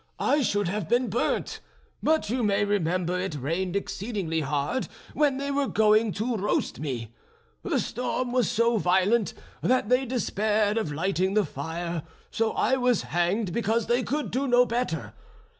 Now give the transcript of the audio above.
I should have been burnt, but you may remember it rained exceedingly hard when they were going to roast me; the storm was so violent that they despaired of lighting the fire, so I was hanged because they could do no better.